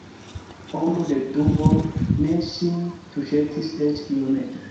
Ombro de dubo ne ŝin tuŝetis eĉ iomete.